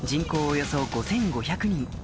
およそ５５００人